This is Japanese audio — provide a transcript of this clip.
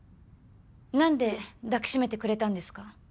何で抱きしめてくれたんですか？